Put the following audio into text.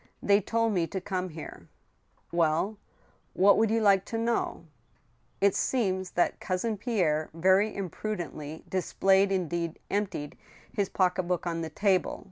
... They told me to come here," " Well— rwhat would you like to know ?"It seems that Cousin Pierre very imprudently displayed — in deed emptied— his pocket book on the table